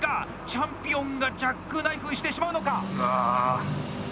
チャンピオンがジャックナイフしてしまうのか！